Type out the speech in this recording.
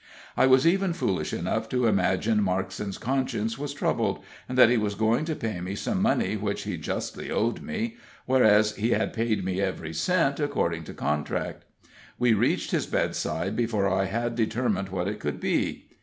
I was even foolish enough to imagine Markson's conscience was troubled, and that he was going to pay me some money which he justly owed me, whereas he had paid me every cent, according to contract. We reached his bedside before I had determined what it could be.